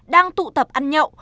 đang tụ tập ăn nhậu